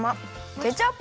ケチャップ